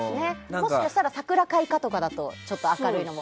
もしかしたら桜開花とかだと明るいのも。